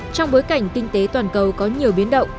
trong bối cảnh kinh tế toàn cầu có nhiều biến động